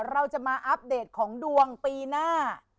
เราจะมาอัปเดตของดวงปีหน้า